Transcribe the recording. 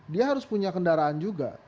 dia harus punya kendaraan juga